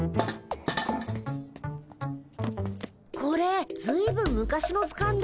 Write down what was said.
これずいぶん昔のずかんだ。